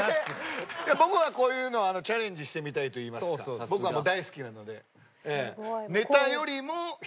僕はこういうのはチャレンジしてみたいといいますか僕はもう大好きなので。